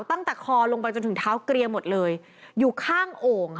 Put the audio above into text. ตั้งแต่คอลงไปจนถึงเท้าเกลียหมดเลยอยู่ข้างโอ่ง